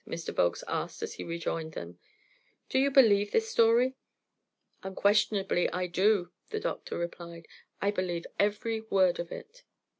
Mr. Volkes asked as he rejoined them. "Do you believe this story?" "Unquestionably I do," the doctor replied. "I believe every word of it."